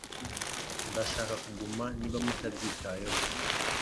Ndashaka kuguma niba mutabyitayeho